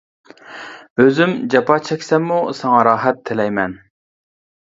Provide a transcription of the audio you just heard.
ئۆزۈم جاپا چەكسەممۇ ساڭا راھەت تىلەيمەن.